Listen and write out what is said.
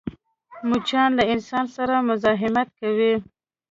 مچان له انسان سره مزاحمت کوي